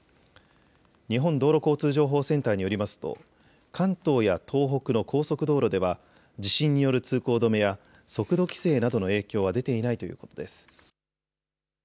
日本道路交通情報センターによりますと関東や東北の高速道路では地震による通行止めや速度規制などの影響は出ていないということです。